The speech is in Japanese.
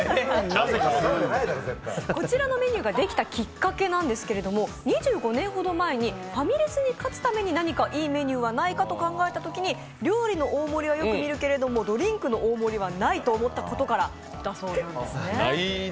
こちらのメニューができたきっかけなんですけれども２５年ほど前にファミレスに勝つために何かいいメニューはないかと考えたときに、料理の大盛りはよく見るけれどドリンクの大盛りはないと思ったことからだそうですね。